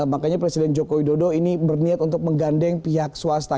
makanya presiden joko widodo ini berniat untuk menggandeng pihak swasta